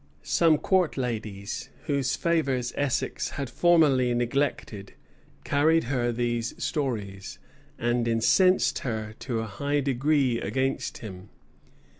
[*] Some court ladies, whose favors Essex had formerly neglected, carried her these stories, and incensed her to a high degree against him.